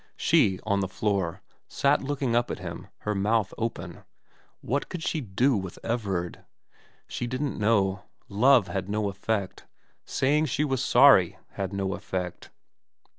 She, on the floor, sat looking up at him, her mouth open. What could she do with Everard ? She didn't know. Love had no effect ; saying she was sorry had no effect.